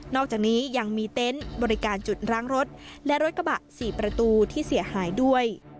อกจากนี้ยังมีเต็นต์บริการจุดล้างรถและรถกระบะ๔ประตูที่เสียหายด้วย